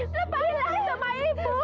lepaskan aku sama ibu